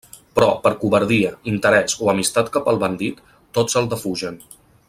Però, per covardia, interès o amistat cap al bandit, tots el defugen.